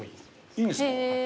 ・いいんですか？